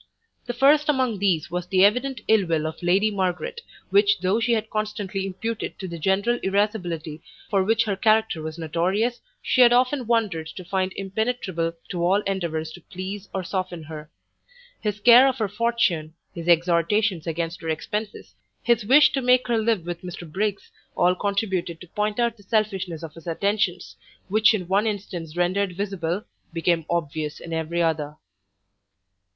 The first among these was the evident ill will of Lady Margaret, which though she had constantly imputed to the general irascibility for which her character was notorious, she had often wondered to find impenetrable to all endeavours to please or soften her. His care of her fortune, his exhortations against her expences, his wish to make her live with Mr Briggs, all contributed to point out the selfishness of his attentions, which in one instance rendered visible, became obvious in every other.